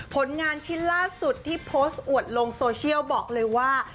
ผลงานชิ้นล่าสุดที่โพสต์อวดลงโซเชียลบอกเลยว่า